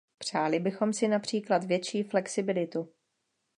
Přáli bychom si například větší flexibilitu.